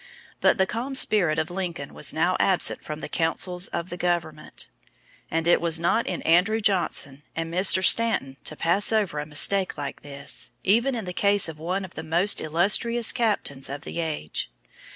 But the calm spirit of Lincoln was now absent from the councils of the government; and it was not in Andrew Johnson and Mr. Stanton to pass over a mistake like this, even in the case of one of the most illustrious captains of the age.